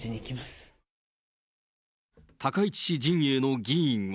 高市氏陣営の議員は。